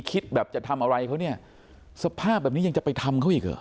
คิดแบบจะทำอะไรเขาเนี่ยสภาพแบบนี้ยังจะไปทำเขาอีกเหรอ